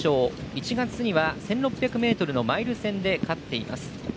１月には１６００ｍのマイル戦で勝っています。